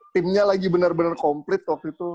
timnya lagi bener bener komplit waktu itu